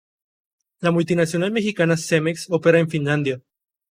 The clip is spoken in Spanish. La multinacional mexicana Cemex opera en Finlandia.